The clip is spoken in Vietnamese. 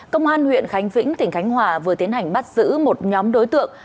công an huyện khánh vĩnh tỉnh khánh hòa vừa tiến hành bắt giữ một nhóm đối tượng